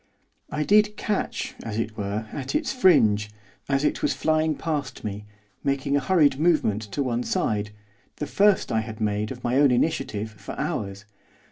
I did catch, as it were, at its fringe, as it was flying past me, making a hurried movement to one side, the first I had made, of my own initiative, for hours.